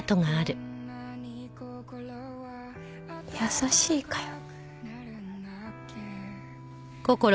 優しいかよ。